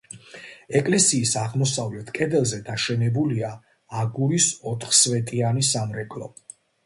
ეკლესიის აღმოსავლეთ კედელზე დაშენებულია აგურის ოთხსვეტიანი სამრეკლო.